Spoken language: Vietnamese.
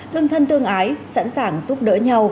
thương thân tương ái sẵn sàng giúp đỡ nhau